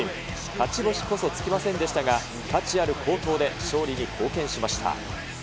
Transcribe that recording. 勝ち星こそつきませんでしたが、価値ある好投で勝利に貢献しました。